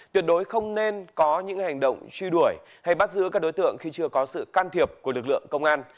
tuyệt đối không nên có những hành động truy đuổi hay bắt giữ các đối tượng khi chưa có sự can thiệp của lực lượng công an